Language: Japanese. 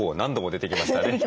出てきました。